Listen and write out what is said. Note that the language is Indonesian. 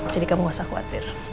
jadi kamu nggak usah kuatin